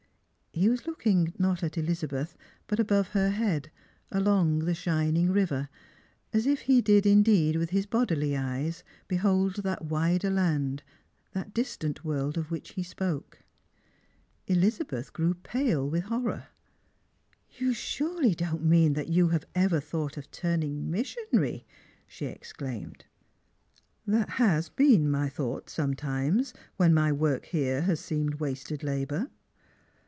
He was looking, not at Elizabeth, but above her head, along the shining river, as if he did indeed with his bodily eyes be hold that wider land, that distant world of which he spoke. Elizabeth grew pale with horror. " You surely don't mean that you have ever thought of turn ing missionary ?" she exclaimed. " That has been my thought sometimes, when my work here has seemed wasted labour."